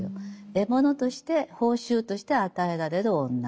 獲物として報酬として与えられる女。